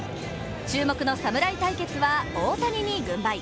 注目の侍対決は大谷に軍配。